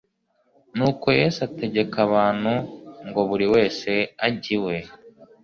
Nuko Yesu ategeka abantu ngo buri wese ajye iwe;